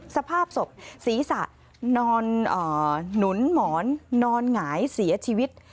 สภาพศพศีรษะนอนหนุนหมอนนอนหงายเสียชีวิต